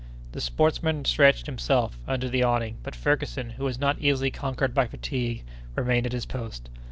The sportsman stretched himself under the awning; but Ferguson, who was not easily conquered by fatigue, remained at his post.